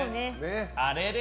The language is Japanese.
あれれ？